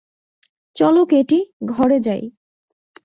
চলো কেটি, ঘরে যাই।